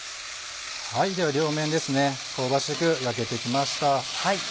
では両面香ばしく焼けて来ました。